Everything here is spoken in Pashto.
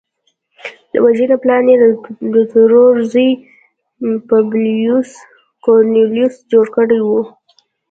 د وژنې پلان یې د ترور زوی پبلیوس کورنلیوس جوړ کړی و